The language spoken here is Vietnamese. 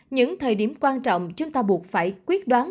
những thời điểm quan trọng chúng ta buộc phải quyết đoán